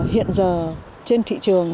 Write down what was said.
hiện giờ trên thị trường